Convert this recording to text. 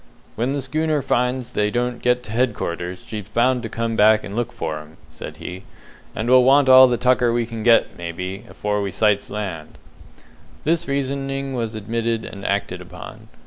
"When the schooner finds they don't get to headquarters, she's bound to come back and look for 'em," said he; "and we'll want all the tucker we can get, maybe, afore we sights land." This reasoning was admitted and acted upon.